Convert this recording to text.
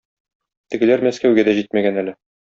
Тегеләр Мәскәүгә дә җитмәгән әле.